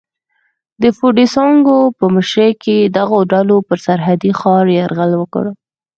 د فوډي سانکو په مشرۍ دغو ډلو پر سرحدي ښار یرغل وکړ.